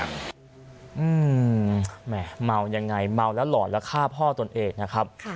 แหม่เมายังไงเมาแล้วหลอนแล้วฆ่าพ่อตนเองนะครับ